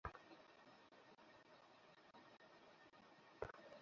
অনেক পরীক্ষা পার হয়েই রিওতে যাওয়ার টিকিট পেয়েছিলাম আমরা বাংলাদেশি স্বেচ্ছাসেবকেরা।